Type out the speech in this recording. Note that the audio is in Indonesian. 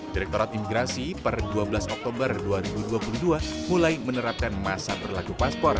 direktorat imigrasi per dua belas oktober dua ribu dua puluh dua mulai menerapkan masa berlaku paspor